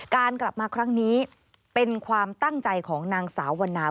กลับมาครั้งนี้เป็นความตั้งใจของนางสาววันนา